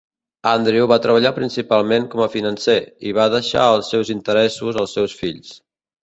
Andrew va treballar principalment com a financer, i va deixar els seus interessos als seus fills.